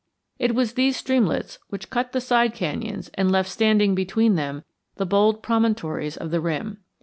It was these streamlets which cut the side canyons and left standing between them the bold promontories of the rim.